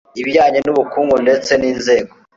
ibijyanye n ubukungu ndetse n inzego